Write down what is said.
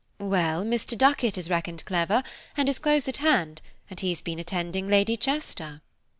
"Well, Mr. Duckett is reckoned clever, and is close at hand, and he has been attending Lady Chester."